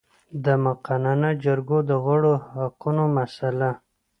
د مقننه جرګو د غړو د حقونو مسئله